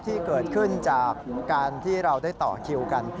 ที่เกิดขึ้นจากการที่เราได้ต่อคิวกัน